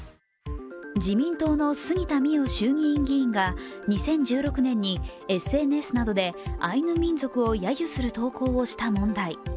自民党の杉田水脈衆議院議員が２０１６年にＳＮＳなどでアイヌ民族をやゆする投稿をした問題。